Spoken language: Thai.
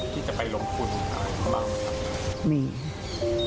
ที่จะไปลงทุนอะไรบ้างครับ